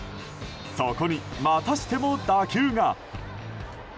そこに、またしても打球が。